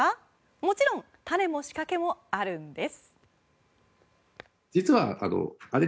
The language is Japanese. もちろん種も仕掛けもあるんです。